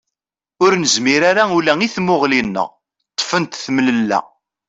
Ur nezmir ara ula i tmuɣli-nneɣ, ṭṭfent temlella.